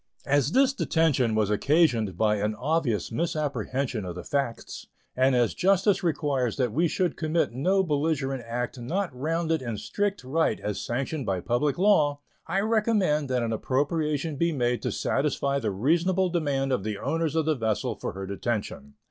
As this detention was occasioned by an obvious misapprehension of the facts, and as justice requires that we should commit no belligerent act not rounded in strict right as sanctioned by public law, I recommend that an appropriation be made to satisfy the reasonable demand of the owners of the vessel for her detention.